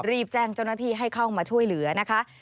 รีบแจ้งเจ้าหน้าที่ให้เข้ามาช่วยเหลือนะคะ